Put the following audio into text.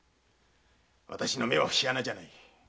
私の目は節穴じゃない。